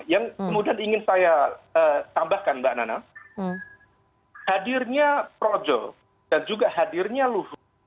yang kemudian ingin saya tambahkan mbak nana hadirnya projo dan juga hadirnya luhut